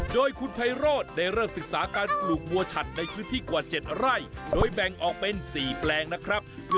โดยคุณไพโรดได้เริ่มศึกษาการปลูกบัวชัดในซื้อที่กว่า๗ไร่